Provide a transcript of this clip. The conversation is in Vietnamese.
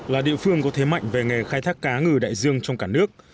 là địa phương có thế mạnh về nghề khai thác cá ngừ đại dương trong cả nước